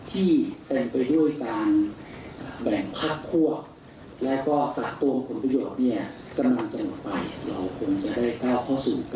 ที่จะบริหารบ้านเมืองเพิ่มความซื่อสัตว์